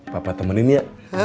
papa temenin ya